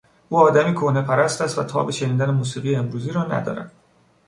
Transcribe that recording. او آدمی کهنهپرست است و تاب شنیدن موسیقی امروزی را ندارد.